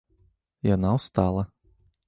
Яна ўстала.